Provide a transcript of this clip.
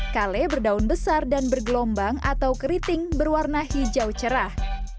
kale berdaun besar dan bergelombang atau keriting berwarna hijau cerah